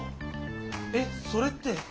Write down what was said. えっそれって。